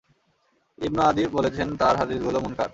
Ibn Adi বলেছেন, তাঁর হাদীসগুলো মুনকার।